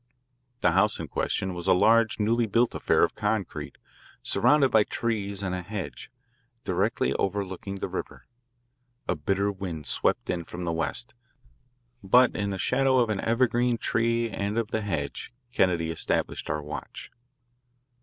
The house in question was a large, newly built affair of concrete, surrounded by trees and a hedge, directly overlooking the river. A bitter wind swept in from the west, but in the shadow of an evergreen tree and of the hedge Kennedy established our watch.